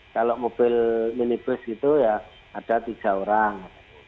kalau mobil minibus itu ada tiga orang